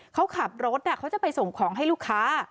เขาขับรถเขาจะไปส่งของให้ลูกค้า